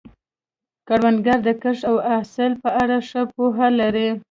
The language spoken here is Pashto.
کروندګر د کښت او حاصل په اړه ښه پوهه لري